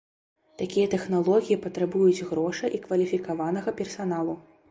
Такія тэхналогіі патрабуюць грошай і кваліфікаванага персаналу.